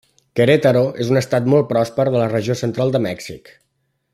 Querétaro és un estat molt pròsper de la regió central de Mèxic.